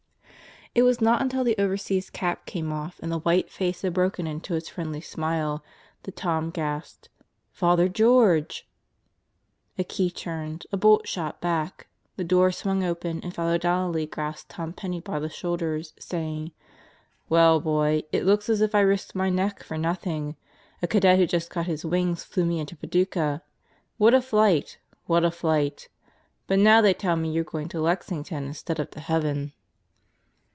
It was not until the overseas cap came off and the white face had broken into its friendly smile that Tom gasped: "Father George 1" A key turned. A bolt shot back. The door swung open and Father Donnelly grasped Tom Penney by the shoulders saying, "Well, boy, it looks as if I risked my neck for nothing. A cadet, who just got his wings, flew me into Paducah. What a flight! What a flight! But now they tell me you're going to Lexington instead of to heaven."